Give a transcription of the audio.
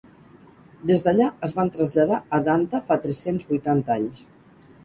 Des d'allà es van traslladar a Danta fa tres-cents vuitanta anys.